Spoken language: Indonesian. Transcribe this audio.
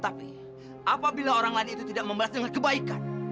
tapi apabila orang lain itu tidak membahas dengan kebaikan